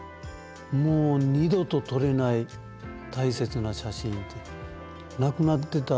「もう二度と撮れない大切な写真」って。